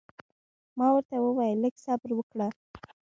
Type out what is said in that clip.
ما ورته وویل لږ صبر وکړه.